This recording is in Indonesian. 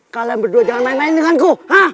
kalian berdua jangan main main denganku